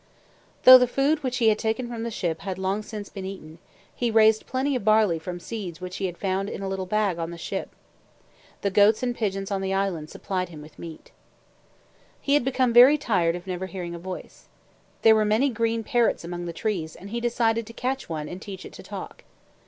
Though the food which he had taken from the ship had long since been eaten, he raised plenty of barley from seed which he had found in a little bag on the ship. The goats and pigeons on the island supplied him with meat. He had become very tired of never hearing a voice. There were many green parrots among the trees and he decided to catch one and teach it to talk.